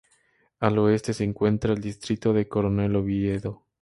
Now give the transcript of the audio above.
Al oeste se encuentra el distrito de Coronel Oviedo.